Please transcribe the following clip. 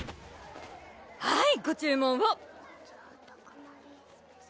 はいご注文を。